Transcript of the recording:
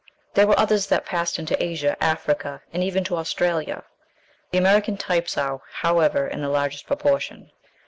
There were others that passed into Asia, Africa, and even to Australia. The American types are, however, in the largest proportion.